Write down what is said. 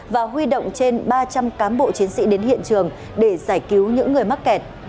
và huy động trên ba trăm linh cán bộ chiến sĩ đến hiện trường để giải cứu những người mắc kẹt